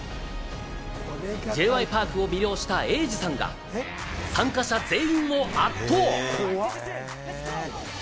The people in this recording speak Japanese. Ｊ．Ｙ．Ｐａｒｋを魅了した瑛史さんが参加者全員を圧倒！